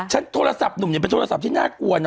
โทรศัพท์หนุ่มเนี่ยเป็นโทรศัพท์ที่น่ากลัวนะ